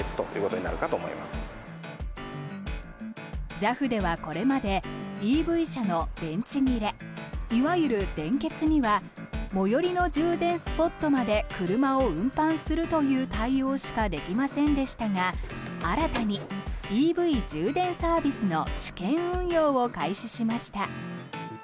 ＪＡＦではこれまでＥＶ車の電池切れいわゆる電欠には最寄りの充電スポットまで車を運搬するという対応しかできませんでしたが新たにＥＶ充電サービスの試験運用を開始しました。